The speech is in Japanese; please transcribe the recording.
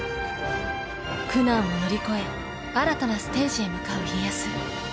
苦難を乗り越え新たなステージへ向かう家康。